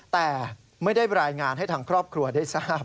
แต่ไม่ได้รายงานให้ทางครอบครัวได้ทราบ